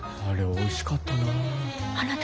あれおいしかったなあ。